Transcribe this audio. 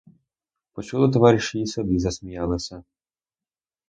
Почули товариші й собі засміялися.